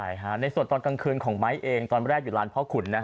ใช่ค่ะในส่วนตอนกลางคืนของไม้เองตอนแรกอยู่ร้านพ่อขุน